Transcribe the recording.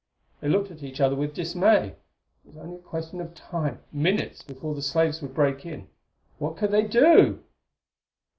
They looked at each other with dismay. It was only a question of time minutes before the slaves would break in. What could they do?